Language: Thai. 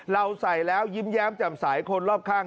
เราใส่แล้วยิ้มแย้มแจ่มสายคนรอบข้าง